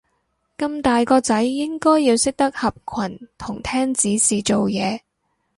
咁大個仔應該要識得合群同聽指示做嘢